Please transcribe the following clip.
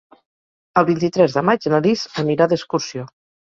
El vint-i-tres de maig na Lis anirà d'excursió.